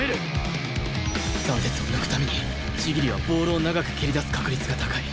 斬鉄を抜くために千切はボールを長く蹴り出す確率が高い